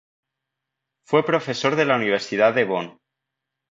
Fue profesor de la Universidad de Bonn.